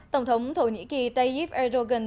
tổng thống thổ nhĩ kỳ tayyip erdogan